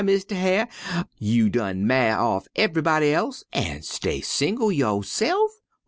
Mistar Hyar', you done ma'y off ev'yb'dy else an' stay single yo'se'f?